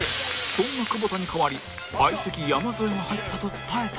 そんな久保田に代わり相席山添が入ったと伝えたら？